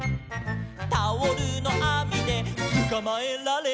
「タオルのあみでつかまえられたよ」